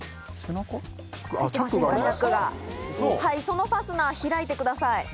そのファスナー開いてください。